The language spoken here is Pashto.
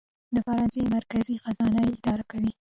د فرانسې مرکزي خزانه یې اداره کوي.